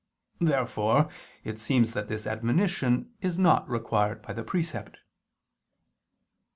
Therefore it seems that this admonition is not required by the precept.